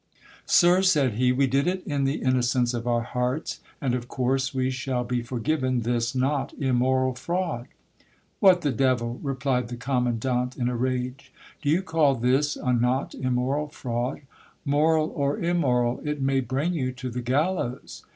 Sir, said he, we did it in the innocence of our hearts, and of course we shall be forgiven this not immoral fraud ? What the devil, replied the commandant in a rage, do you call this a not immoral fraud ? Moral or immoral, it may bring you to the gallows.